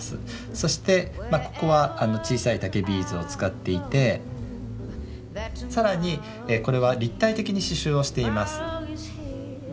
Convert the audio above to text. そしてここは小さい竹ビーズを使っていてさらにこれは立体的に刺繍をしています。